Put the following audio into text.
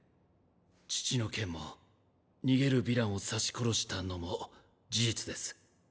父の件も逃げるヴィランを刺し殺したのも事実です。